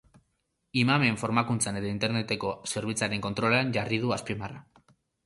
Imamen formakuntzan eta interneteko zerbitzarien kontrolean jarri du azpimarra.